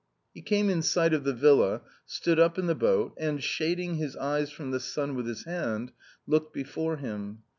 He came in sight of the villa, stood up in the boat and, shading his eyes from the sun with his hand, looked before him.